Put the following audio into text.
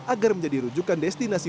agar menjadi rujukan destinasi